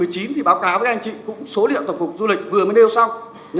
thì báo cáo với anh chị cũng số liệu tổng cục du lịch vừa mới nêu xong